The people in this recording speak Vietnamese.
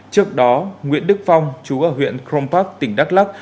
trước đó nguyễn đức phong chú ở huyện crong park tỉnh đắk lắc